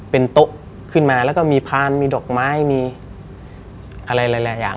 เป็นโต๊ะขึ้นมาแล้วก็มีพานมีดอกไม้มีอะไรหลายอย่าง